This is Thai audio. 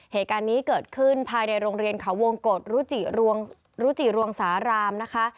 เหตุการณ์นี้เกิดขึ้นภายในโรงเรียนเขาวงกฎรุจิรวงสารามนะคะ